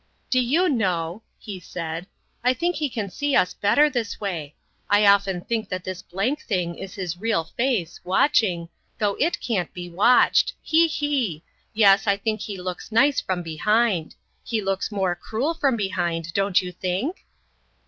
"Do you know," he said, "I think he can see us better this way. I often think that this blank thing is his real face, watching, though it cannot be watched. He! he! Yes, I think he looks nice from behind. He looks more cruel from behind, don't you think?"